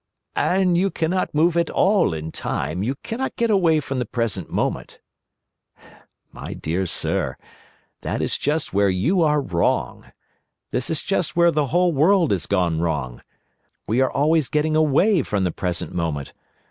"And you cannot move at all in Time, you cannot get away from the present moment." "My dear sir, that is just where you are wrong. That is just where the whole world has gone wrong. We are always getting away from the present moment.